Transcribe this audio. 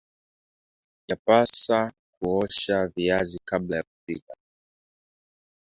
yapaasa kuosha viazi kabla ya kupika